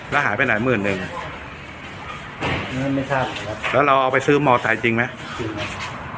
แล้วหายไปไหนหมื่นหนึ่งแล้วเราเอาไปซื้อมอไซค์จริงไหม